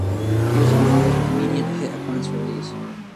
"Gears of War" was an immediate hit upon its release.